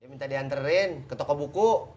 dia minta dihantarin ke toko buku